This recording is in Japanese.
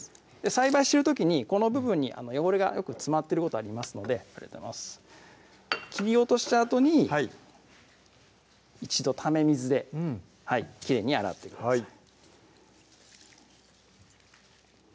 栽培してる時にこの部分に汚れがよく詰まってることありますので取り落としたあとにはい一度ため水できれいに洗ってください